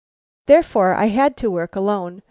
Therefore I had to work alone.